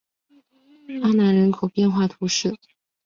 阿南人口变化图示